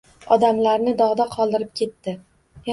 Odamlarni dog’da qoldirib ketdi.